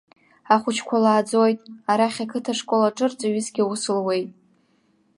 Ахәыҷқәа лааӡоит, арахь ақыҭа школ аҿы рҵаҩысгьы аус луеит.